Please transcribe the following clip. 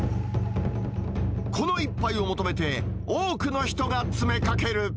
この一杯を求めて、多くの人が詰めかける。